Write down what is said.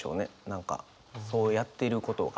何かそうやっていることが。